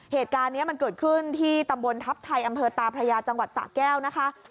เหตุการณ์นี้มันเกิดขึ้นที่ตำบลทัพไทยอำเภอตาพระยาจังหวัดสะแก้วนะคะ